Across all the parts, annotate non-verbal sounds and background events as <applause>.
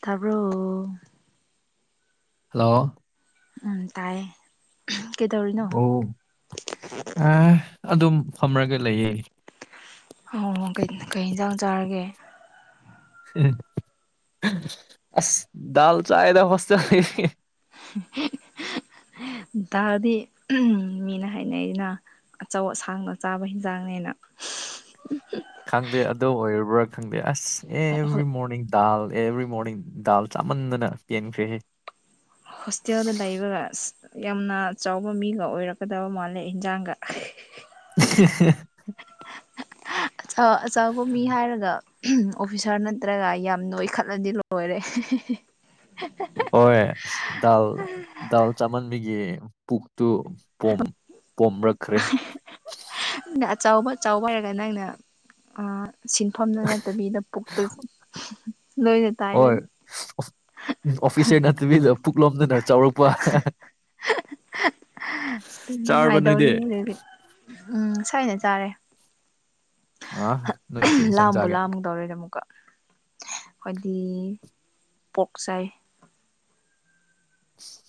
ꯇꯥꯄꯔꯣ hello ꯎꯝ ꯇꯥꯏꯌꯦ ꯀꯩ ꯇꯧꯔꯤꯅꯣ ꯑꯣ ꯑ ꯑꯗꯨꯝ ꯐꯝꯔꯒ ꯂꯩꯌꯦ ꯑꯣ ꯀꯩ ꯌꯦꯟꯖꯥꯡ ꯆꯥꯔꯒꯦ ꯑꯁ ꯗꯜ ꯆꯌꯦꯗ ꯍꯁ ꯆ ꯎ ꯇꯥꯔꯗꯤ ꯃꯤꯅ ꯍꯥꯏꯅꯩꯁꯤꯅ ꯑꯆꯧ ꯑꯁꯥꯡꯅ ꯆꯥꯕ ꯍꯤꯟꯖꯥꯡꯅꯦꯅ ꯈꯪꯗꯦ ꯑꯗꯨ ꯑꯣꯏꯔꯕ꯭ꯔꯥ ꯈꯪꯗꯦ ꯑꯁ ꯑꯦꯕ꯭ꯔꯤ ꯃꯣꯔꯅꯤꯡ ꯗꯥꯜ ꯑꯦꯕ꯭ꯔꯤ ꯃꯣꯔꯅꯤꯡ ꯗꯥꯜ ꯆꯥꯃꯟꯗꯅ ꯀꯦꯟꯈ꯭ꯔꯦꯍꯦ ꯍꯣꯁꯇꯦꯜꯗ ꯏꯕꯒ ꯌꯥꯝꯅ ꯆꯥꯎꯕ ꯃꯤꯒ ꯑꯣꯏꯔꯛꯀꯗꯕ ꯃꯥꯜꯂꯦ ꯏꯟꯖꯥꯡꯒ <inaudible> ꯑꯆꯧꯕ ꯃꯤ ꯍꯥꯏꯔꯒ ꯑꯣꯐꯤꯁꯥꯔ ꯅꯠꯇ꯭ꯔꯒ ꯌꯥꯝ ꯅꯣꯏꯈꯠꯂꯗꯤ ꯂꯣꯏꯔꯦ ꯍꯣꯏ ꯑꯁ ꯗꯥꯜ ꯗꯥꯜ ꯆꯥꯃꯟꯕꯤꯒꯤ ꯄꯨꯛꯇꯨ ꯄꯣꯝ ꯄꯣꯝꯔꯛꯈ꯭ꯔꯦ ꯑꯆꯕ ꯑ ꯆꯥꯎꯕ ꯍꯥꯏꯔꯒ ꯅꯪꯅ ꯁꯤ ꯃ ꯐꯐꯝꯗ ꯅꯠꯇꯕꯤꯗ ꯄꯨꯛꯇ ꯂꯣꯏꯅ ꯍꯣꯏ ꯇꯥꯏꯔꯅꯤ ꯑꯣꯐꯤꯁꯔ ꯅꯠꯇꯕꯤꯗ ꯄꯨꯛꯂꯣꯝꯗꯅ ꯆꯥꯎꯔꯛꯄ ꯆꯥꯔꯕ ꯅꯨꯡꯉꯥꯏꯗꯧꯔꯤ ꯅꯣꯏꯗꯤ ꯑꯗꯨꯗꯤ ꯎꯝ ꯁꯣꯏꯅ ꯆꯥꯔꯦ ꯑ ꯅꯣꯏꯗꯤ ꯀꯔꯤ ꯏꯟꯁꯥꯡ ꯂꯥꯕꯨ ꯆꯥꯒꯦ ꯂꯥꯝ ꯇꯧꯔꯦꯗ ꯑꯃꯨꯛꯀ ꯈꯣꯏꯗꯤ ꯄꯣꯛꯆꯥꯏ ꯁ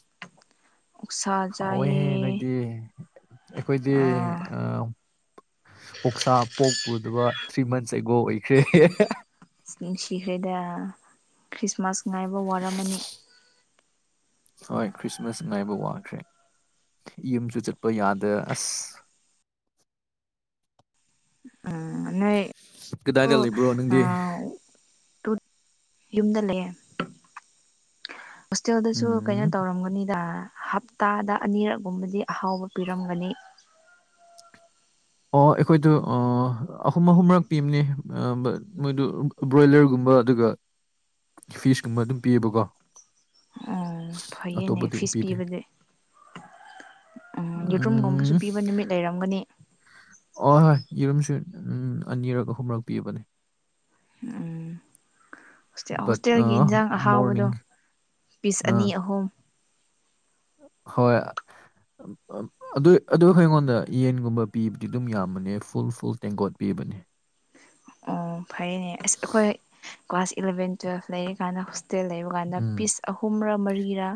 ꯑꯣꯛꯁꯥ ꯍꯥꯎꯋꯦꯍꯦ ꯆꯥꯏꯌꯦ ꯅꯣꯏꯗꯤ ꯑꯩꯈꯣꯏꯗꯤ ꯑ ꯑꯁ ꯑꯣꯛꯁꯥ ꯄꯣꯛ ꯎꯗꯕ ꯊ꯭ꯔꯤ ꯃꯟꯁ ꯑꯩꯒꯣ ꯑꯣꯏꯈ꯭ꯔꯦ ꯅꯨꯡꯁꯤꯈ꯭ꯔꯦꯗ ꯈ꯭ꯔꯤꯁꯃꯥꯁ ꯉꯥꯏꯕ ꯋꯥꯔꯝꯃꯅꯤ ꯏꯟꯑꯣꯗꯤꯕꯜ ꯍꯣꯏ ꯈ꯭ꯔꯤꯁꯃꯥꯁ ꯉꯥꯏꯕ ꯋꯥꯈ꯭ꯔꯦ ꯌꯨꯝꯁꯨ ꯆꯠꯄ ꯌꯥꯗ ꯑꯁ ꯎꯝ ꯅꯣꯏ ꯀꯗꯥꯏꯗ ꯂꯩꯕ꯭ꯔꯣ ꯅꯪꯗꯤ <unintelligible> ꯌꯨꯝꯗ ꯂꯩꯑꯦ ꯍꯣꯁꯇꯦꯜꯗꯁꯨ ꯀꯩꯅꯣ ꯎꯝ ꯇꯧꯔꯝꯒꯅꯤꯗ ꯍꯞꯇꯥꯗ ꯑꯅꯤꯔꯛꯒꯨꯝꯕꯗꯤ ꯑꯍꯥꯎꯕ ꯄꯤꯔꯝꯒꯅꯤ ꯑꯣ ꯑꯩꯈꯣꯏꯗꯨ ꯑꯣ ꯑꯍꯨꯝ ꯑꯍꯨꯝ ꯃꯔꯛ ꯄꯤꯕꯅꯦ ꯃꯣꯏꯗꯨ ꯕ꯭ꯔꯣꯏꯂꯔꯒꯨꯝꯕ ꯑꯗꯨꯒ ꯐꯤꯁ ꯀꯨꯝꯕ ꯑꯗꯨꯝ ꯄꯤꯌꯦꯕꯀꯣ ꯎꯝ ꯐꯩꯌꯦꯅꯦ ꯑꯇꯣꯞꯄꯗꯤ ꯐꯤꯁ ꯄꯤꯗꯦ ꯄꯤꯕꯗꯤ ꯎꯝ ꯌꯦꯨꯠꯔꯨꯝꯒꯨꯝꯕꯁꯨ ꯎꯝ ꯄꯤꯕ ꯅꯨꯃꯤꯠ ꯂꯩꯔꯝꯒꯅꯤ ꯑ ꯍꯣꯏ ꯌꯦꯔꯨꯝꯁꯨ ꯎꯝ ꯑꯅꯤꯔꯛ ꯑꯍꯨꯝꯔꯛ ꯄꯤꯕꯅꯦ ꯎꯝ ꯕꯠ ꯑ ꯍꯣꯁꯇꯦꯜꯒꯤ ꯏꯟꯖꯥꯡ ꯑꯍꯥꯎꯕꯗꯣ ꯃꯣꯔꯅꯤꯡ ꯄꯤꯁ ꯑꯅꯤ ꯑꯥ ꯑꯍꯨꯝ ꯍꯣꯏ ꯑꯝ ꯑ ꯑꯗꯨ ꯑꯗꯨ ꯑꯩꯉꯣꯟꯗ ꯌꯦꯟꯒꯨꯝꯕ ꯄꯤꯕꯗꯤ ꯑꯗꯨꯝ ꯌꯥꯝꯕꯅꯦ ꯐꯨꯜ ꯐꯨꯜ ꯇꯦꯡꯀꯣꯠ ꯄꯤꯕꯅꯦ ꯑꯣ ꯐꯩꯅꯦ ꯑꯁ ꯑꯩꯈꯣꯏ ꯀ꯭ꯂꯥꯁ ꯏꯂꯚꯦꯟ ꯇꯨꯋꯦꯜꯐ ꯂꯩꯔꯤ ꯀꯥꯟꯗ ꯍꯣꯁꯇꯦꯜ ꯂꯩꯕ ꯀꯥꯟꯗ ꯎꯝ ꯄꯤꯁ ꯑꯍꯨꯝꯔ ꯃꯔꯤꯔꯥ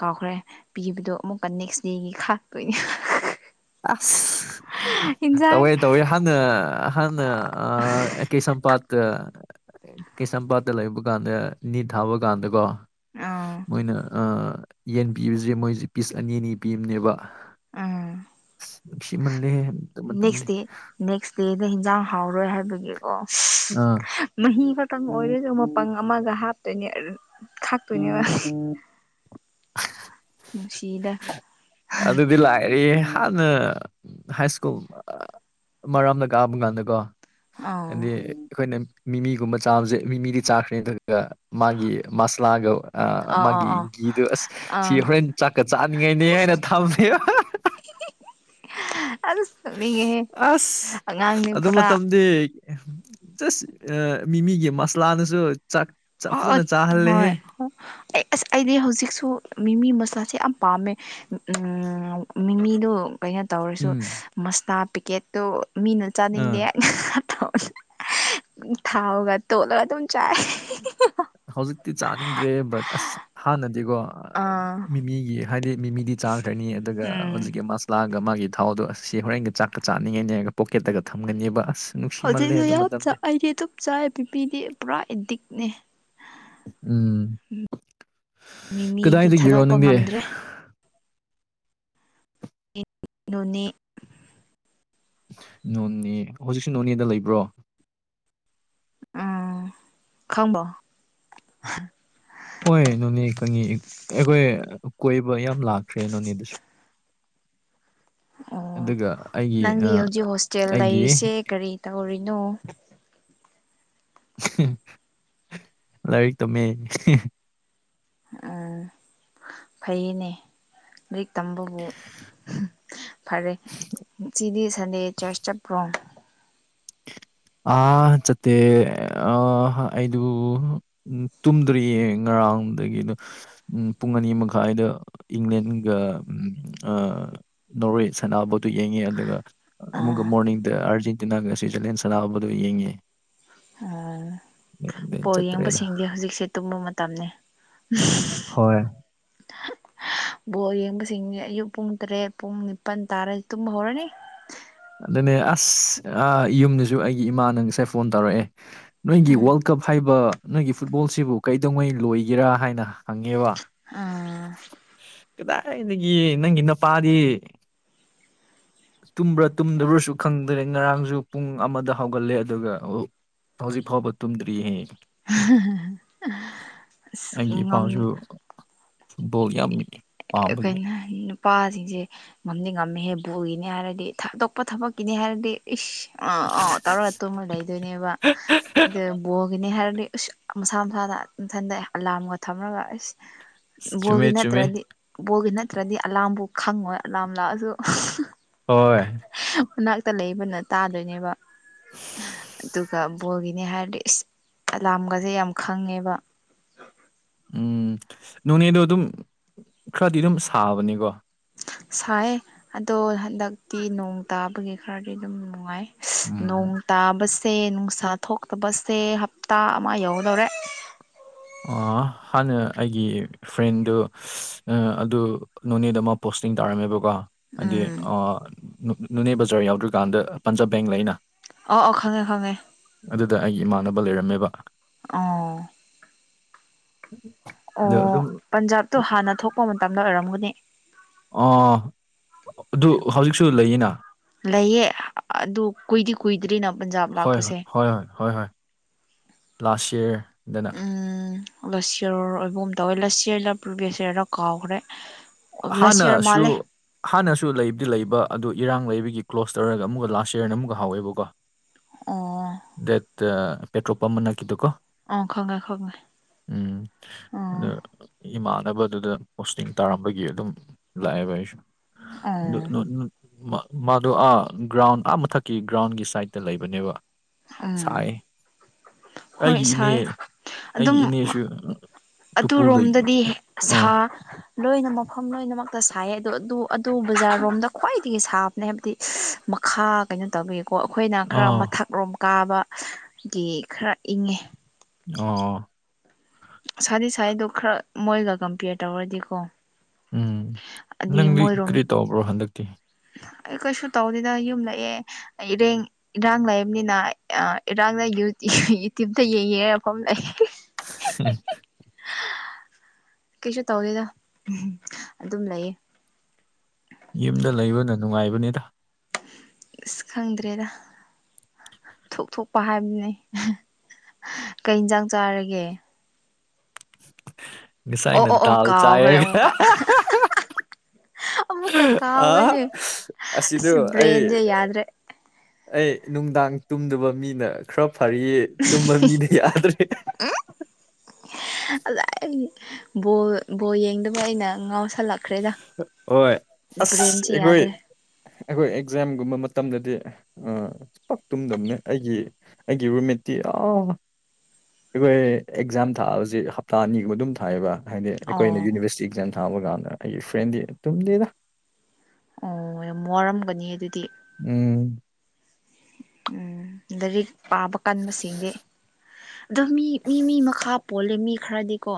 ꯀꯥꯎꯈ꯭ꯔꯦ ꯄꯤꯕꯗꯣ ꯑꯃꯨꯛꯀ ꯅꯦꯛꯁ ꯗꯦꯒꯤ ꯈꯥꯛꯇꯣꯏꯅꯤ ꯑꯁ ꯏꯟꯖꯥꯡ ꯇꯧꯋꯦ ꯇꯧꯋꯦ ꯍꯥꯟꯅ ꯍꯥꯟꯅ ꯑꯩ ꯀꯩꯁꯥꯝꯄꯥꯠꯇ ꯀꯩꯁꯝꯄꯥꯠꯇ ꯂꯩꯕ ꯀꯥꯟꯗ ꯅꯤꯠ ꯊꯥꯕ ꯀꯥꯟꯗꯀꯣ ꯑꯥ ꯃꯣꯏꯅ ꯌꯦꯟ ꯄꯤꯕꯁꯦ ꯃꯣꯏꯁꯦ ꯄꯤꯁ ꯑꯅꯤ ꯑꯅꯤ ꯄꯤꯕꯅꯦꯕ ꯑꯝ ꯅꯨꯡꯁꯤꯃꯜꯂꯦ ꯅꯦꯛꯁ ꯗꯦ ꯅꯦꯛꯁ ꯗꯦ ꯍꯦꯟꯖꯥꯡ ꯍꯥꯎꯔꯣꯏ ꯍꯥꯏꯕꯒꯤ ꯑꯣ ꯑꯥ ꯃꯍꯤ ꯈꯛꯇꯪ ꯑꯣꯏꯔꯁꯨ ꯃꯄꯪ ꯑꯃꯒ ꯍꯥꯞꯇꯣꯏꯅꯦ ꯑꯗꯨ ꯎꯝ ꯎꯝ ꯅꯨꯡꯁꯤꯗ ꯑꯗꯨꯗꯤ ꯂꯥꯛꯑꯦ ꯍꯥꯟꯅ ꯍꯥꯏ ꯁ꯭ꯀꯨꯜ ꯃꯔꯥꯝꯗ ꯀꯥꯕ ꯀꯥꯟꯗꯀꯣ ꯑꯥ ꯑꯗꯤ ꯑꯩꯈꯣꯏꯅ ꯃꯤꯃꯤꯒꯨꯝꯕ ꯆꯥꯕꯁꯦ ꯃꯤꯃꯤꯗꯤ ꯆꯥꯈ꯭ꯔꯦ ꯑꯗꯨꯒ ꯃꯥꯒꯤ ꯃꯁꯂꯥꯒ ꯑ ꯑꯥ ꯑꯥ ꯃꯥꯒꯤ ꯑꯥ ꯒꯤꯗꯨꯣ ꯑꯁ ꯑꯥ ꯁꯤ ꯍꯣꯔꯦꯟ ꯆꯥꯛꯀ ꯆꯥꯅꯤꯡꯉꯥꯏꯅꯦ ꯍꯥꯏꯅ ꯊꯝꯃꯦ ꯑꯁ ꯅꯣꯛꯅꯤꯡꯉꯦꯍꯦ ꯑꯉꯥꯡꯅꯦ ꯄꯨꯔꯥ ꯗꯤ ꯖꯁ ꯃꯤꯃꯤꯒꯤ ꯃꯁꯂꯥꯗꯨꯁꯨ ꯆꯥꯛ ꯆꯥꯛ ꯐꯖꯅ ꯆꯥꯍꯜꯂꯦꯍꯦ ꯑꯣ ꯑꯩ ꯑꯁ ꯑꯩꯗꯤ ꯍꯧꯖꯤꯛꯁꯨ ꯃꯤꯃꯤ ꯃꯁꯂꯥꯁꯦ ꯌꯥꯝ ꯄꯥꯝꯃꯦ ꯎꯝ ꯃꯤꯃꯤꯗꯨ ꯀꯩꯅꯣ ꯇꯧꯔꯁꯨ ꯎꯝ ꯃꯁꯇꯥ ꯄꯤꯀꯦꯠꯇꯨ ꯃꯤꯅ ꯆꯥꯅꯤꯡꯗꯦ ꯑꯥ ꯑꯟꯏꯟꯇꯦꯜꯂꯤꯖꯦꯕꯜ ꯊꯥꯎꯒ ꯇꯣꯠꯂꯒ ꯑꯗꯨꯝ ꯆꯥꯏ ꯍꯧꯖꯤꯛꯇꯤ ꯆꯥꯅꯤꯡꯗ꯭ꯔꯦ ꯕꯠ ꯑꯁ ꯍꯥꯟꯅꯗꯤꯀꯣ ꯑꯥ ꯃꯤꯃꯤꯒꯤ ꯍꯥꯏꯗꯤ ꯃꯤꯃꯤꯗꯤ ꯆꯥꯈ꯭ꯔꯅꯤ ꯑꯗꯨꯒ ꯎꯝ ꯍꯧꯖꯤꯛꯀꯤ ꯃꯥꯁ ꯂꯥꯛꯑꯒ ꯃꯥꯒꯤ ꯊꯥꯎꯗꯣ ꯑꯁꯤ ꯍꯣꯔꯦꯟꯒ ꯆꯥꯛꯀ ꯆꯥꯅꯤꯡꯉꯅꯦꯔꯒ ꯄꯣꯀꯦꯠꯇꯒ ꯊꯝꯒꯅꯦꯕ ꯑꯁ ꯅꯨꯡꯁꯤꯃꯜꯂꯦ ꯍꯧꯖꯤꯛꯁꯨ ꯑꯗꯨ ꯌꯥꯝ ꯃꯇꯝꯗꯤ ꯑꯩꯗꯤ ꯑꯗꯨꯝ ꯆꯥꯏ ꯃꯤꯃꯤꯗꯤ ꯄꯨꯔꯥ ꯑꯦꯗꯤꯛꯅꯦ ꯎꯝ ꯃꯤ ꯃꯤꯗꯤ ꯀꯗꯥꯏꯗꯒꯤꯔꯣ ꯊꯥꯗꯣꯛꯄ ꯅꯪꯗꯤ ꯉꯝꯗ꯭ꯔꯦ ꯑꯟꯏꯟꯇꯦꯜꯂꯤꯖꯦꯕꯜ ꯅꯣꯅꯤ ꯅꯣꯅꯦ ꯍꯧꯖꯤꯛꯁꯨ ꯅꯣꯅꯦꯗ ꯂꯩꯕ꯭ꯔꯣ ꯎꯝ ꯈꯪꯕꯣ ꯍꯣꯏ ꯅꯣꯅꯦ ꯈꯪꯉꯤ ꯑꯩꯈꯣꯏ ꯀꯣꯏꯕ ꯌꯥꯝ ꯂꯥꯛꯈ꯭ꯔꯦ ꯅꯣꯅꯦꯗꯨꯁꯨ <inaudible> ꯑꯣ ꯑꯗꯨꯒ ꯑꯩꯒꯤ ꯅꯪꯗꯤ ꯑꯥ ꯍꯧꯖꯤꯛ ꯍꯣꯁꯇꯦꯜ ꯑꯩꯒꯤ ꯂꯩꯔꯤꯁꯦ ꯀꯔꯤ ꯇꯧꯔꯤꯅꯣ ꯂꯥꯏꯔꯤꯛ ꯇꯝꯃꯦ ꯎꯝ ꯐꯩꯅꯦ ꯂꯥꯏꯔꯤꯛ ꯇꯝꯕꯕꯨ ꯐꯔꯦ ꯁꯤꯗꯤ ꯁꯟꯗꯦ ꯆꯔꯆ ꯆꯠꯄ꯭ꯔꯣ ꯑ ꯆꯠꯇꯦ ꯑꯍ ꯑꯩꯗꯨ ꯎꯝ ꯇꯨꯝꯗ꯭ꯔꯤ ꯌꯦꯡꯉ ꯉꯔꯥꯡꯗꯒꯤ ꯑꯗꯨ ꯎꯝ ꯄꯨꯡ ꯑꯅꯤ ꯃꯈꯥꯏꯗ ꯏꯪꯂꯦꯟꯒ ꯅꯎꯔꯣꯏ ꯁꯅꯥꯕꯣꯠꯇ ꯌꯦꯡꯉꯤ ꯑꯗꯨꯒ ꯑꯃꯨꯛꯀ ꯑꯥ ꯃꯣꯔꯅꯤꯡꯗ ꯑꯥꯔꯖꯦꯟꯇꯤꯅꯥꯒ ꯁ꯭ꯋꯤꯖꯔꯂꯦꯟ ꯁꯅꯥꯕꯗꯨ ꯌꯦꯡꯉꯤ ꯑꯥ ꯕꯣꯜ ꯆꯠꯇ꯭ꯔꯦꯗ ꯌꯦꯡꯕꯁꯤꯡꯗꯤ ꯍꯧꯖꯤꯛꯁꯦ ꯇꯨꯝꯕ ꯃꯇꯝꯅꯤ ꯍꯣꯏ ꯕꯣꯜ ꯌꯦꯡꯕꯁꯤꯡꯗꯤ ꯑꯌꯨꯛ ꯄꯨꯡ ꯇꯔꯦꯠ ꯄꯨꯡ ꯅꯤꯄꯥꯜ ꯇꯥꯔꯗꯤ ꯇꯨꯝꯕ ꯍꯧꯔꯅꯤ ꯑꯗꯨꯅꯦ ꯑꯁ ꯌꯨꯝꯗꯁꯨ ꯑꯩꯒꯤ ꯏꯃꯥꯅ ꯉꯁꯥꯏ ꯐꯣꯟ ꯇꯧꯔꯛꯑꯦ ꯅꯣꯏꯒꯤ ꯎꯝ ꯋꯥꯔꯜ ꯀꯞ ꯍꯥꯏꯕ ꯅꯣꯏꯒꯤ ꯐꯨꯠꯕꯣꯜꯁꯤꯕꯨ ꯀꯩꯗꯧꯉꯩ ꯂꯣꯏꯒꯦꯔꯥ ꯍꯥꯏꯅ ꯍꯪꯉꯦꯕ ꯑꯥ ꯀꯗꯥꯏꯒꯤ ꯅꯪꯒꯤ ꯅꯨꯄꯥꯗꯤ ꯇꯨꯝꯕ꯭ꯔꯥ ꯇꯨꯝꯗꯕ꯭ꯔꯁꯨ ꯈꯪꯗ꯭ꯔꯦ ꯉꯔꯥꯡꯁꯨ ꯄꯨꯡ ꯑꯃꯗ ꯍꯧꯒꯠꯂꯦ ꯑꯗꯨꯒ ꯍꯧꯖꯤꯛ ꯐꯥꯎꯕ ꯇꯨꯝꯗ꯭ꯔꯤꯍꯦ ꯎꯝ ꯑꯩꯒꯤ ꯏꯄꯥꯁꯨ ꯐꯨꯠꯕꯣꯜ ꯌꯥꯝ ꯄꯥꯝꯕꯒꯤ ꯀꯩꯅꯣ ꯅꯨꯄꯥꯁꯤꯡꯁꯦ ꯉꯝꯗꯤ ꯉꯝꯃꯦꯍꯦ ꯕꯣꯒꯤꯅꯤ ꯍꯥꯏꯔꯗꯤ ꯊꯥꯗꯣꯛꯄ ꯊꯕꯛꯀꯤꯅꯤ ꯍꯥꯏꯔꯗꯤ ꯏꯁꯁ ꯑ ꯑ ꯇꯧꯔ ꯇꯨꯃ ꯂꯩꯗꯣꯏꯅꯦꯕ ꯑꯗꯨ ꯕꯣꯒꯤꯅꯦ ꯍꯥꯏꯔꯗꯤ ꯃꯁꯥ ꯃꯁꯥꯅ ꯏꯊꯟꯗ ꯑꯂꯥꯔꯝꯒ ꯊꯝꯂꯒ ꯑꯩꯁ ꯕꯣꯜꯒꯤ ꯆꯨꯝꯃꯦ ꯆꯨꯝꯃꯦ ꯅꯠꯇ꯭ꯔꯗꯤ ꯕꯣꯒꯤ ꯅꯠꯇ꯭ꯔꯗꯤ ꯑꯂꯥꯝꯕꯨ ꯈꯪꯉꯣꯏ ꯑꯂꯥꯝ ꯂꯥꯛꯑꯁꯨ ꯍꯣꯏ ꯃꯅꯥꯛꯇ ꯂꯩꯕꯅ ꯇꯥꯗꯣꯏꯅꯦꯕ ꯑꯗꯨꯒ ꯕꯣꯜꯒꯤꯅꯦ ꯍꯥꯏꯔꯗꯤ ꯏꯁ ꯑꯂꯥꯝꯒꯁꯦ ꯌꯥꯝ ꯈꯪꯉꯦꯕ ꯎꯝ ꯅꯣꯅꯦꯗꯣ ꯑꯗꯨꯝ ꯈꯔꯗꯤ ꯑꯗꯨꯝ ꯁꯥꯕꯅꯤꯀꯣ ꯁꯥꯏ ꯑꯗꯣ ꯍꯟꯗꯛꯇꯤ ꯅꯣꯡ ꯇꯥꯕꯒꯤ ꯈꯔꯗꯤ ꯑꯗꯨꯝ ꯅꯨꯡꯉꯥꯏ ꯎꯝ ꯅꯣꯡ ꯇꯥꯕꯁꯦ ꯅꯨꯡꯁꯥ ꯊꯣꯛꯇꯕꯁꯦ ꯍꯞꯇꯥ ꯑꯃ ꯌꯧꯗꯧꯔꯦ ꯍꯥꯟꯅ ꯑꯩꯒꯤ ꯐ꯭ꯔꯦꯟꯗꯨ ꯑꯗꯨ ꯅꯣꯅꯦꯗ ꯑꯃ ꯄꯣꯁꯇꯤꯡ ꯇꯧꯔꯝꯃꯦꯕꯀꯣ ꯍꯥꯏꯗꯤ ꯎꯝ ꯅꯣꯅꯦ ꯕꯖꯥꯔ ꯌꯥꯎꯗ꯭ꯔꯤꯀꯥꯟꯗ ꯄꯟꯖꯥꯕ ꯕꯦꯡ ꯂꯩꯩꯅ ꯑꯣ ꯑꯣ ꯈꯪꯉꯦ ꯈꯪꯉꯦ ꯑꯗꯨꯗ ꯑꯩꯒꯤ ꯏꯃꯥꯟꯅꯕ ꯂꯩꯔꯝꯃꯦꯕ ꯑꯣ ꯎꯝ ꯑꯣ ꯄꯟꯖꯥꯕꯇꯣ ꯍꯥꯟꯅ ꯊꯣꯛꯄ ꯃꯇꯝꯗ ꯑꯣꯏꯔꯝꯒꯅꯤ ꯑ ꯑꯗꯨ ꯍꯧꯖꯤꯛꯁꯨ ꯂꯩꯌꯦꯅ ꯂꯩꯌꯦ ꯑꯗꯨ ꯀꯨꯏꯗꯤ ꯀꯨꯏꯗ꯭ꯔꯤꯅ ꯄꯟꯖꯥꯕ ꯍꯣꯏ ꯍꯣꯏ ꯂꯥꯛꯄꯁꯦ ꯍꯣꯏ ꯍꯣꯏ ꯍꯣꯏ ꯍꯣꯏ ꯂꯥꯁ ꯌꯔꯗꯅ ꯂꯁꯤꯌꯔ ꯑꯣꯏꯕ ꯑꯃ ꯇꯧꯋꯦ ꯂꯁꯤꯌꯔꯗ ꯄꯨꯕꯤꯦꯁꯔꯔ ꯀꯥꯎꯈ꯭ꯔꯦ ꯍꯥꯥꯟ ꯂꯁ ꯅ ꯌꯔ ꯁꯨ ꯃꯥꯜꯂꯦ ꯍꯥꯟꯅꯁꯨ ꯂꯩꯕꯨꯗꯤ ꯂꯩꯕ ꯑꯗꯨ ꯏꯔꯥꯡ ꯂꯩꯕꯒꯤ ꯀ꯭ꯂꯣꯁ ꯇꯧꯔꯒ ꯑꯃꯨꯛꯀ ꯂꯥꯁ ꯌꯔꯅ ꯑꯃꯨꯛꯀ ꯍꯥꯎꯋꯦꯕꯀꯣ <inaudible> ꯑ ꯗꯦꯠ ꯄꯦꯇ꯭ꯔꯣꯜ ꯄꯝ ꯑꯃꯅꯀꯤꯗꯨꯀꯣ ꯑꯣ ꯈꯪꯉꯦ ꯈꯪꯉꯦ ꯎꯝ ꯑꯗ ꯑꯣ ꯏꯃꯥꯟꯅꯕꯗꯨꯗ ꯄꯣꯁꯇꯤꯡ ꯇꯥꯔꯝꯕ ꯒꯤ ꯑꯗꯨꯝ ꯂꯥꯛꯑꯦꯕ ꯑꯩꯁꯨ ꯑꯣ ꯃꯥꯗꯣ ꯑꯥ ꯒ꯭ꯔꯥꯎꯟ ꯑꯥ ꯃꯊꯛꯀꯤ ꯒ꯭ꯔꯥꯎꯟꯒꯤ ꯁꯥꯏꯗꯇ ꯂꯩꯕꯅꯦꯕ ꯎꯝ ꯁꯥꯏ ꯑꯩꯒꯤ ꯍꯣꯏ ꯏꯅꯦ ꯁꯥꯏ ꯑꯩꯒꯤ ꯑꯗꯨꯝ ꯏꯅꯦꯁꯨ ꯇꯨꯄꯨꯜ ꯂꯩ ꯑꯗꯨꯔꯣꯝꯗꯗꯤ ꯑꯥ ꯁꯥ ꯂꯣꯏꯅ ꯃꯐꯝ ꯂꯣꯏꯅꯃꯛꯇ ꯁꯥꯏꯌꯦ ꯑꯗꯨ ꯑꯗꯨ ꯑꯗꯨ ꯕꯖꯥꯔꯣꯝꯗ ꯈ꯭ꯋꯥꯏꯗꯒꯤ ꯁꯥꯕꯅꯦ ꯍꯥꯏꯕꯗꯤ ꯃꯈꯥ ꯀꯩꯅꯣ ꯇꯧꯕꯋꯕ ꯀꯣ ꯑꯩꯈꯣꯏꯅ ꯈꯔ ꯑꯥ ꯃꯊꯛꯔꯣꯝ ꯀꯥꯕꯒꯤ ꯈꯔ ꯏꯪꯉꯦ ꯑꯣ ꯑꯣ ꯁꯥꯗꯤ ꯁꯥꯔꯤꯗꯣ ꯈꯔ ꯃꯣꯏꯒ ꯀꯝꯄꯤꯌꯔ ꯇꯧꯔꯗꯤꯀꯣ ꯎꯝ ꯑꯗꯨꯗꯤ ꯅꯪꯗꯤ ꯃꯣꯏꯔꯣꯝ ꯀꯔꯤ ꯇꯧꯕ꯭ꯔꯣ ꯍꯟꯗꯛꯇꯤ ꯑꯩ ꯀꯩꯁꯨ ꯇꯧꯗꯦꯗ ꯌꯨꯝ ꯂꯑꯦ ꯏꯔꯦꯡ ꯏꯔꯥꯡ ꯂꯩꯕꯅꯤꯅ ꯏꯔꯥꯡꯗ ꯌꯨꯇ꯭ꯌꯨꯕꯇ ꯌꯦꯡꯉꯦ ꯃꯐꯝ ꯂꯩ ꯎ ꯀꯩꯁꯨ ꯇꯧꯗꯦꯗ ꯑꯗꯨꯝ ꯂꯩꯌꯦ ꯌꯨꯝꯗ ꯂꯩꯕꯅ ꯅꯨꯡꯉꯥꯏꯕꯅꯦꯗ ꯑꯁ ꯈꯪꯗ꯭ꯔꯦꯗ ꯊꯣꯛꯊꯣꯛꯄ ꯍꯥꯏꯕꯗꯨꯅꯦ ꯀꯩ ꯏꯟꯁꯥꯡ ꯆꯥꯔꯒꯦ ꯑꯣ ꯃꯤꯁꯥꯏꯅ ꯑꯣ ꯑꯣ ꯗꯜ ꯆ ꯀꯥꯎꯈ꯭ꯔꯦ ꯑꯃꯨꯛꯀ ꯑꯃꯨꯛꯀ ꯑ ꯀꯥꯎꯕꯅꯦ ꯑꯁꯤꯗꯨ ꯑꯁ ꯑꯩ ꯕ꯭ꯔꯦꯟꯁꯦ ꯌꯥꯗ꯭ꯔꯦ ꯑꯩ ꯅꯨꯡꯗꯥꯡ ꯇꯨꯝꯗꯕ ꯃꯤꯅ ꯈꯔ ꯐꯔꯤꯌꯦ ꯇꯨꯝꯕ ꯃꯤꯅ ꯌꯥꯗ꯭ꯔꯦ ꯎ ꯑ ꯑꯩꯕ ꯕꯣꯜ ꯌꯦꯡꯗꯕ ꯑꯩꯅ ꯉꯥꯎ ꯍ ꯑꯁ ꯕ꯭ꯔꯦꯟꯁꯦ ꯑꯩꯈꯣꯏꯋ ꯌꯥꯗ꯭ꯔꯦ ꯑꯩꯈꯣꯏ ꯑꯦꯛꯖꯥꯝꯒꯨꯝꯕ ꯃꯇꯝꯗꯗꯤ ꯄ ꯇꯨꯝꯗꯕꯅꯤ ꯑꯩꯒꯤ ꯑꯩꯒꯤꯕꯨ ꯃꯠꯠꯇꯤ ꯑ ꯑꯩꯈꯣꯏ ꯑꯦꯛꯖꯥꯝ ꯊꯥꯑꯕꯁꯤ ꯍꯞꯇꯥ ꯑꯅꯤꯒꯨꯝꯕ ꯑꯗꯨꯝ ꯊꯥꯏꯑꯕ ꯍꯥꯏꯗꯤ ꯑꯣ ꯑꯩꯈꯣꯏꯅ ꯌꯨꯅꯤꯚꯔꯁꯤꯇꯤ ꯑꯦꯛꯖꯥꯝ ꯊꯥꯕ ꯀꯥꯟꯗ ꯑꯩꯒꯤ ꯐ꯭ꯔꯦꯟꯗꯤ ꯇꯨꯝꯗꯦꯗ ꯑꯣ ꯋꯥꯔꯝꯒꯅꯤ ꯑꯗꯨꯗꯤ ꯎꯝ ꯎꯝ ꯂꯥꯏꯔꯤꯛ ꯄꯥꯕ ꯀꯟꯕꯁꯤꯡꯗꯤ ꯑꯗꯣ ꯃꯤ ꯃꯤ ꯃꯤ ꯃꯈꯥ ꯄꯣꯜꯂꯦ ꯃꯤ ꯈꯔꯗꯤꯀꯣ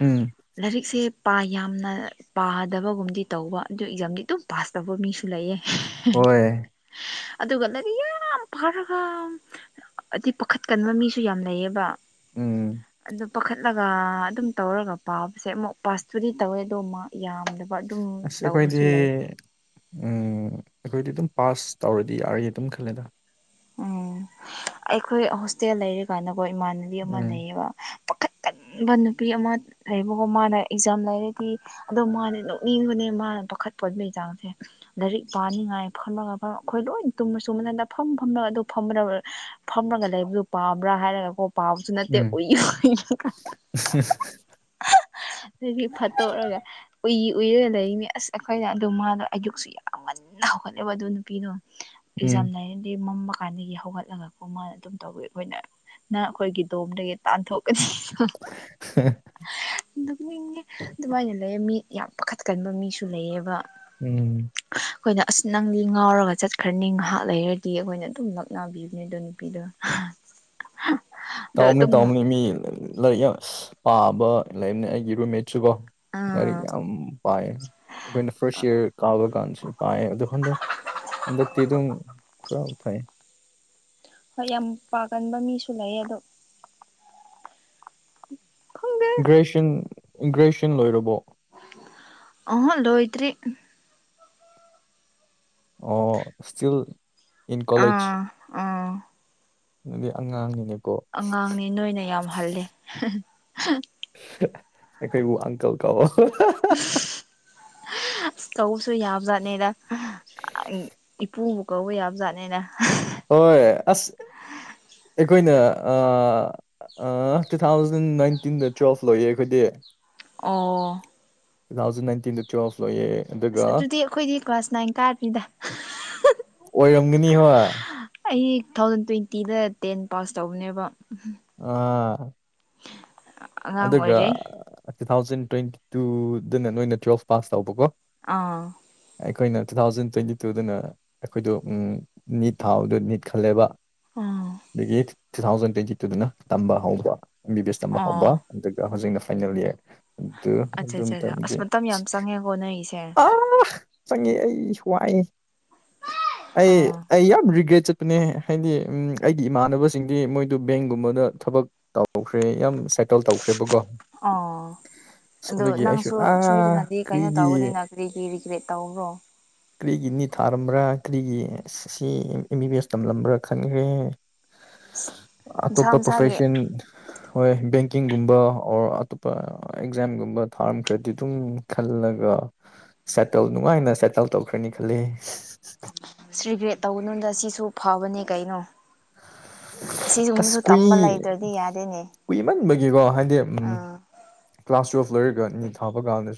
ꯎꯝ ꯂꯥꯏꯔꯤꯛꯁꯦ ꯌꯥꯝꯅ ꯄꯥꯗꯕꯒꯨꯝꯗꯤ ꯇꯧꯕ ꯑꯗꯨ ꯑꯦꯛꯖꯥꯝꯗꯤ ꯑꯗꯨꯝ ꯄꯥꯁ ꯇꯧꯕ ꯃꯤꯁꯨ ꯂꯩ ꯍꯣꯏ ꯑꯗꯨꯒ ꯌꯥꯝ ꯐꯥꯔꯒ ꯍꯥꯏꯗꯤ ꯄꯥꯈꯠꯀꯟꯕ ꯃꯤꯁꯨ ꯌꯥꯝ ꯂꯩꯌꯦꯕ ꯎꯝ ꯑꯗꯨꯗ ꯄꯈ ꯆꯠꯂꯒ ꯑꯗꯨꯝ ꯇꯧꯔꯒ ꯄꯥꯕꯁꯦ ꯑꯃꯨꯛ ꯄꯥꯁꯇꯨꯗꯤ ꯇꯧꯋꯦ ꯑꯗ ꯑꯃ ꯌꯥꯝꯗꯕ ꯑꯗꯨꯝ ꯑꯁ ꯑꯩꯈꯣꯏꯗꯤ ꯇꯧꯕꯁꯨ ꯂꯩ ꯎꯝ ꯑꯩꯈꯣꯏꯗꯤ ꯑꯗꯨꯝ ꯄꯥꯁ ꯇꯧꯔꯗꯤ ꯌꯥꯔꯒꯦ ꯑꯗꯨꯝ ꯈꯜꯂꯦꯗ ꯎꯝ ꯑꯩꯈꯣꯏ ꯍꯣꯁꯇꯦꯜ ꯂꯩꯔꯤꯀꯥꯟꯗꯀꯣ ꯏꯃꯥꯟꯅꯕꯤ ꯑꯃ ꯎꯝ ꯂꯩꯌꯦꯕ ꯄꯈꯀꯟꯕ ꯅꯨꯄꯤ ꯑꯃ ꯂꯩꯕꯀꯣ ꯃꯥꯅ ꯑꯦꯛꯖꯥꯝ ꯂꯩꯔꯗꯤ ꯑꯗꯣ ꯃꯥꯅꯦ ꯅꯣꯛꯅꯤꯡꯕꯅꯦ ꯃꯥꯅ ꯄꯥꯈꯠꯄꯕꯩ ꯆꯥꯡꯁꯦ ꯂꯥꯏꯔꯤꯛ ꯄꯥꯅꯤꯡꯉꯥꯏ ꯐꯝꯃꯒ ꯑꯩꯈꯣꯏ ꯂꯣꯏ ꯇꯨꯝꯅ ꯆꯨꯝꯃ ꯍꯟꯗꯐꯝ ꯐꯝ ꯑꯗꯨ ꯐ ꯐꯝꯂꯒ ꯂꯩꯕꯗꯨ ꯄꯥꯝꯕ꯭ꯔꯥ ꯍꯥꯏꯔꯒꯀꯣ ꯄꯥꯎꯁꯨꯅ ꯎꯝ ꯑꯣ ꯑꯗꯒꯤ ꯐꯠꯇꯣꯛꯑꯒ ꯎꯏ ꯎꯏꯔꯒ ꯂꯩꯔꯤꯅꯤ ꯑꯁ ꯑꯩꯈꯣꯏꯅ ꯑꯗꯣ ꯃꯥꯗꯣ ꯑꯩꯗꯨꯛꯁꯨ ꯌꯥꯝꯃꯜꯂꯤ ꯍꯧꯒꯠꯂꯕ ꯑꯗꯨ ꯅꯨꯄꯤꯅꯣ ꯎꯝ ꯑꯦꯛꯖꯥꯝ ꯂꯩꯔ ꯃꯃ ꯀꯥꯟꯗꯒꯤ ꯍꯧꯒꯠꯂꯒ ꯀꯣꯃ ꯑꯗꯨꯝ ꯇꯧꯋꯤ ꯑꯩꯈꯣꯏꯅ ꯅ ꯑꯩꯈꯣꯏꯒꯤ ꯗꯣꯝꯗꯒꯤ ꯇꯥꯟꯊꯣꯛꯀꯅꯤ ꯑꯗꯨꯃꯥꯏꯅ ꯂꯩ ꯃꯤ ꯌꯥꯝ ꯄꯥꯈꯠꯀꯟꯕ ꯃꯤꯁꯨ ꯂꯩꯌꯦꯕ ꯎꯝ ꯑꯩꯈꯣꯏꯅ ꯑꯁ ꯅꯪꯗꯤ ꯉꯥꯎꯔꯒ ꯆꯠꯈ꯭ꯔꯅꯤ ꯉꯥꯏꯍꯥꯛ ꯂꯩꯔꯗꯤ ꯤ ꯑꯩꯈꯣꯏꯅ ꯑꯗꯨꯝ ꯅꯛꯅꯕꯤꯕꯅꯦ ꯑꯗ ꯅꯨꯄꯤꯗꯣ ꯑꯗꯣ ꯇꯥꯎꯝꯅꯦ ꯑꯗꯨꯝ ꯇꯥꯎꯝꯅꯦ ꯃꯤ ꯂꯥꯏꯔꯤꯛ ꯌꯥꯝ ꯄꯥꯕ ꯂꯩꯕꯅꯦ ꯑꯩꯒꯤ ꯔꯨꯝꯃꯦꯠ ꯁꯨꯀꯣ ꯂꯒꯥꯔꯤꯛ ꯑꯥ ꯌꯥꯝ ꯄꯥꯏ ꯑꯩꯈꯣꯏꯅ ꯐꯥꯔꯁ ꯏꯌꯥꯔ ꯀꯥꯎꯕ ꯀꯥꯟꯁꯨ ꯄꯥꯏꯌꯦ ꯑꯗꯨꯣ ꯍꯟꯗꯛ ꯍꯟꯗꯛꯇꯤ ꯑꯗꯨꯝ ꯈꯨꯔꯥꯎ ꯊꯥꯏ ꯍꯣꯏ ꯌꯥꯝ ꯄꯥꯒꯟꯕ ꯃꯤꯁꯨ ꯂꯩꯌꯦ ꯑꯗꯣ ꯈꯪꯗꯦ ꯒ꯭ꯔꯦꯨꯌꯦꯁꯟ ꯒ꯭ꯔꯦꯖꯨꯌꯦꯁꯟ ꯂꯣꯏꯔꯕꯣ ꯑꯍ ꯂꯣꯏꯇ꯭ꯔꯤ ꯑꯣ ꯏꯁꯇꯤꯜ ꯏꯟ ꯀꯣꯂꯦꯖ ꯑꯥ ꯑꯥ ꯑꯗꯨꯗꯤ ꯑꯉꯥꯡꯅꯤꯅꯦ ꯑꯉꯥꯡꯅꯤ ꯅꯣꯏꯅ ꯌꯥꯝ ꯍꯜꯂꯦ ꯑꯦꯈꯣꯏꯕꯨ ꯑꯟꯇꯣꯜ ꯀꯣ ꯑꯁ ꯀꯧꯕꯁꯨ ꯌꯥꯝꯖꯥꯠꯅꯦꯅ ꯏꯄꯨꯕꯨ ꯀꯧꯕ ꯌꯥꯕꯖꯥꯠꯅꯦꯅ ꯍꯣꯏ ꯑꯁ ꯑꯩꯈꯣꯏꯅ ꯑ ꯇꯨ ꯊꯥꯎꯖꯟ ꯅꯥꯏꯟꯇꯤꯟꯗ ꯇ꯭ꯋꯦꯜꯐ ꯂꯌꯦ ꯑꯩꯈꯣꯏꯗꯤ ꯑꯣ ꯇꯨ ꯊꯥꯎꯖꯏꯇꯤꯟ ꯆꯣꯐ ꯂꯣꯏꯌꯦ ꯑꯗꯨ ꯑꯁ ꯑꯗꯨꯗꯤ ꯑꯩꯈꯣꯏꯗꯤ ꯀ꯭ꯂꯥꯁ ꯅꯥꯏꯟ ꯀꯥꯅꯤꯗ ꯑꯣꯏꯔꯝꯒꯅꯤ ꯍꯣ ꯑꯩ ꯇꯨ ꯊꯥꯎꯖꯟ ꯇ꯭ꯋꯦꯟꯇꯤꯗ ꯇꯦꯟ ꯄꯥꯁ ꯇꯧꯕꯅꯦꯕ ꯎ ꯑꯥ ꯑ ꯑꯗꯨꯒ ꯇꯨ ꯊꯥꯎꯖꯟ ꯇ꯭ꯋꯦꯟꯇꯤ ꯇꯨꯗꯅ ꯅꯣꯏꯅ ꯇ꯭ꯋꯦꯜꯐ ꯄꯥꯁ ꯇꯧꯕꯀꯣ ꯑꯥ ꯑꯩꯈꯣꯏꯅ ꯇꯨ ꯊꯥꯎꯖꯟ ꯇ꯭ꯋꯦꯟꯇꯤ ꯇꯨꯗꯅ ꯑꯩꯈꯣꯏꯗꯣ ꯅꯤꯠ ꯊꯥꯎꯗꯣ ꯅꯤꯠ ꯈꯜꯂꯦꯕ ꯑꯥ ꯑꯗꯒꯤ ꯇꯨ ꯊꯥꯎꯖꯟ ꯇ꯭ꯋꯦꯟꯇꯤ ꯇꯨꯗꯅ ꯇꯝꯕ ꯍꯧꯕ ꯑꯦꯝ ꯕꯤ ꯕꯤ ꯑꯦꯁ ꯇꯝꯕ ꯍꯧꯕ ꯑꯣ ꯑꯗꯨꯒ ꯍꯧꯖꯤꯛꯅ ꯐꯥꯏꯅꯦꯜ ꯏꯌꯥꯔ ꯑꯗꯨ ꯑꯠꯆꯥ ꯑꯗꯨꯝ ꯑꯠꯆꯥ ꯑꯠꯆꯥ ꯑꯁ ꯇꯝꯗꯦ ꯃꯇꯝ ꯌꯥꯝ ꯆꯪꯉꯦꯀꯣ ꯅꯣꯏꯒꯤꯁꯦ ꯆꯪꯉꯦ ꯑꯩꯁꯨ ꯋꯥꯏ ꯑꯩ ꯑꯥ ꯑꯩ ꯌꯥꯝ ꯔꯤꯒ꯭ꯔꯦꯆꯦꯠ ꯅꯦ ꯍꯥꯏꯗꯤ ꯑꯩꯒꯤ ꯏꯃꯥꯟꯅꯕꯁꯤꯡꯗꯤ ꯃꯣꯏꯗ ꯕꯦꯡꯒꯨꯝꯕꯗ ꯊꯕꯛ ꯇꯧꯈ꯭ꯔꯦ ꯌꯥꯝ ꯁꯦꯇꯜ ꯇꯧꯈ꯭ꯔꯦꯕꯀꯣ ꯑꯥ ꯑꯁ ꯑꯗꯣ ꯑꯗꯨꯒꯤ ꯑꯩꯁꯨ ꯅꯪꯁꯨ ꯑꯥ ꯁꯣꯏꯗꯅꯗꯤ ꯀꯩꯅꯣ ꯀꯔꯤꯒꯤ ꯇꯧꯕꯅꯤꯅ ꯀꯔꯤꯒꯤ ꯔꯤꯒ꯭ꯔꯦꯠ ꯇꯧꯕ꯭ꯔꯣ ꯀꯔꯤꯒꯤ ꯊꯥꯔꯝꯕ꯭ꯔꯥ ꯀꯔꯤꯒꯤ ꯁꯤ ꯑꯦꯝ ꯕꯤ ꯕꯤ ꯑꯦꯁ ꯇꯝꯂꯝꯕ꯭ꯔ ꯈꯟꯈ꯭ꯔꯦ ꯑ ꯑꯇꯣꯞꯄ ꯄ꯭ꯔꯣꯐꯦꯁꯟ ꯍꯣꯏ ꯕꯦꯡ ꯀꯀꯤꯡꯒꯨꯝꯕ ꯑꯣꯔ ꯑꯇꯣꯞꯄ ꯑꯦꯛꯖꯥꯝꯒꯨꯝꯕ ꯊꯥꯔꯝꯈ꯭ꯔꯗꯤ ꯑꯗꯨꯝ ꯈꯜꯂꯒ ꯁꯦꯇꯜ ꯅꯨꯡꯉꯥꯏꯅ ꯁꯦꯇꯜ ꯇꯧꯈ꯭ꯔꯅꯤ ꯈꯜꯂꯤ ꯁ ꯔꯤꯒ꯭ꯔꯦꯠ ꯇꯧꯕꯗ ꯁꯤꯁꯨ ꯐꯕꯅꯦ ꯀꯩꯅꯣ <unintelligible> ꯑꯁ ꯑꯁꯤꯒꯨꯝꯕꯁꯨ ꯀꯨꯏ ꯇꯝꯕ ꯂꯩꯇ꯭ꯔꯗꯤ ꯌꯥꯗꯦꯅꯦ ꯀꯨꯏꯃꯟꯕꯒꯤꯀꯣ ꯍꯥꯏꯗꯤ ꯎꯝ ꯑꯥ ꯀ꯭ꯂꯥꯁ ꯇꯨꯌꯦꯜꯐ ꯂꯔꯒ ꯃꯤ ꯊꯥꯕ ꯀꯥꯟꯗꯁꯨ